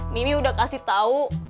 mimi udah kasih tau